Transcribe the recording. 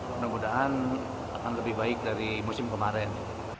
semoga akan lebih baik dari musim kemarin